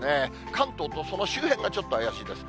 関東とその周辺がちょっと怪しいです。